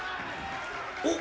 おっ！